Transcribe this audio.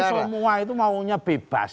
kalau hobi itu semua itu maunya bebas